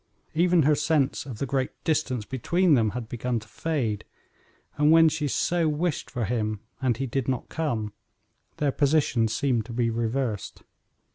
Even her sense of the great distance between them had begun to fade, and when she so wished for him and he did not come, their positions seemed to be reversed.